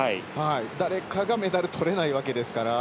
誰かがメダルを取れないわけですから。